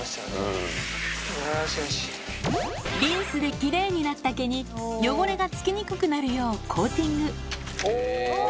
リンスできれいになった毛に汚れがつきにくくなるようコーティング。